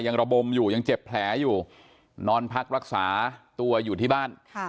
ระบมอยู่ยังเจ็บแผลอยู่นอนพักรักษาตัวอยู่ที่บ้าน